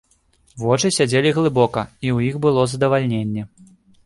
Вочы сядзелі глыбока, і ў іх было задавальненне.